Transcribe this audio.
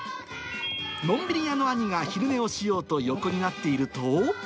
のんびり屋の兄が昼寝をしようと横になっていると。